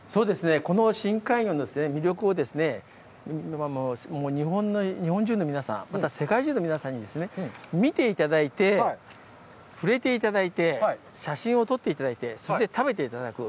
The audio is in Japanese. この深海魚の魅力を日本中の皆さん、また世界中の皆さんに見ていただいて、触れていただいて、写真を撮っていただいて、そして食べていただく。